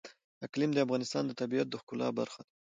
اقلیم د افغانستان د طبیعت د ښکلا برخه ده.